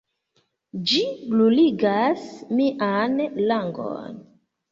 Ĝi bruligas mian langon!